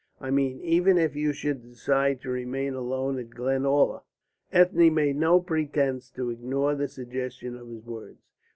I mean even if you should decide to remain alone at Glenalla." Ethne made no pretence to ignore the suggestion of his words.